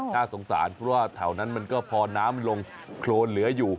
น่าสงสารเพราะว่าแถวนั้นมันก็พอน้ำลงโครนเหลืออยู่